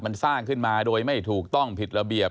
มันสร้างขึ้นมาโดยไม่ถูกต้องผิดระเบียบ